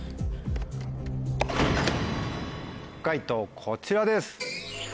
解答こちらです。